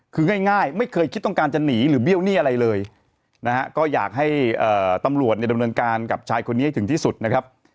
คือง่ายไม่เคยคิดต้องการจะหนีหรือเบี้ยวหนี้อะไรเลยนะฮะก็อยากให้ตำรวจเนี่ยดำเนินการกับชายคนนี้ให้ถึงที่สุดนะครับ